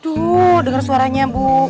aduh dengar suaranya bu